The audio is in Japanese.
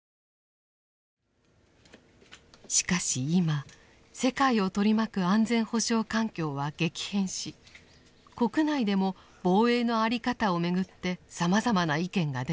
しかし今世界を取り巻く安全保障環境は激変し国内でも防衛の在り方をめぐってさまざまな意見が出ています。